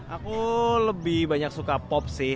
aku lebih banyak suka pop sih